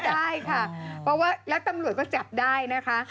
ได้ค่ะเพราะว่าแล้วตำรวจก็จับได้นะคะ